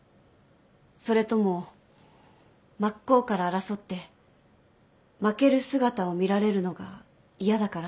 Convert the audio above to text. それとも真っ向から争って負ける姿を見られるのが嫌だから？